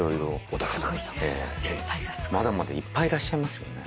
まだまだいっぱいいらっしゃいますよね。